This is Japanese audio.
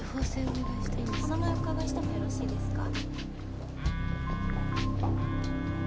お名前お伺いしてもよろしいですか？